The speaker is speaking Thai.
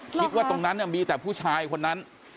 คิดว่าตรงนั้นมีแต่ผู้ชายคนนั้น